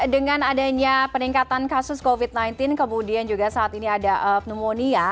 dengan adanya peningkatan kasus covid sembilan belas kemudian juga saat ini ada pneumonia